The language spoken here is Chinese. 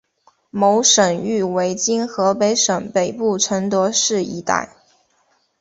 其省域为今河北省北部承德市一带。